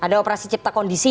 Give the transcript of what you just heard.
ada operasi cipta kondisi